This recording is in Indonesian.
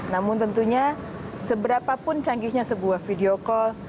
namun tentunya seberapapun canggihnya sebuah video call